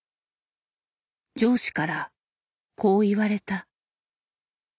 上司からこう言われた。